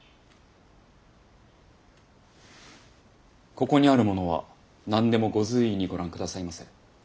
ここにあるものは何でもご随意にご覧下さいませ。